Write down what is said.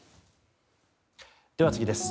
では、次です。